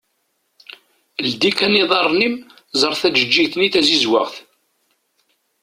Ldi kan iḍarren-im ẓer tajeğğigt-nni tazizwaɣt.